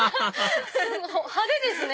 派手ですね。